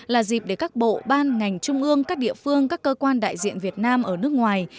là dịp để các bộ ban ngành trung ương các địa phương các cơ quan đại diện việt nam ở nước ngoài